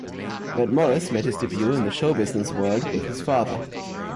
Matt Morris made his debut in the show-business world with his father.